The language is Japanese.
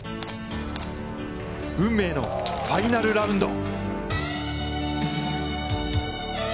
運命のファイナルラウンド。